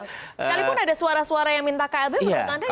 sekalipun ada suara suara yang minta klb menurut anda itu belum signifikan